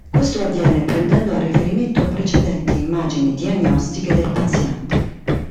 Questo avviene prendendo a riferimento precedenti immagini diagnostiche del paziente.